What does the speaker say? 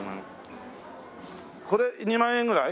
これ２万円ぐらい？